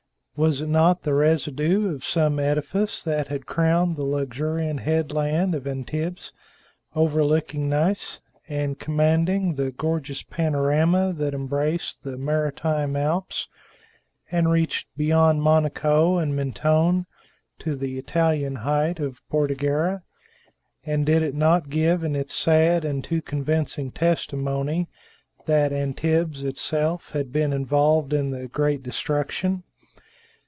Was it not the residue of some edifice that had crowned the luxuriant headland of Antibes, overlooking Nice, and commanding the gorgeous panorama that embraced the Maritime Alps and reached beyond Monaco and Mentone to the Italian height of Bordighera? And did it not give in its sad and too convincing testimony that Antibes itself had been involved in the great destruction?